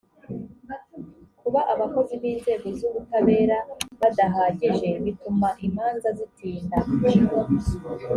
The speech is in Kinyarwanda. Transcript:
kuba abakozi b inzego z ubutabera badahagije bituma imanza zitinda